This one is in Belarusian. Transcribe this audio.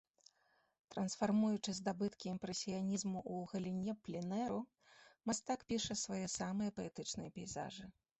Трансфармуючы здабыткі імпрэсіянізму ў галіне пленэру, мастак піша свае самыя паэтычныя пейзажы.